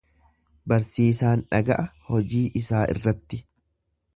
Barsiisaan dhaga'a hojii isaa irratti.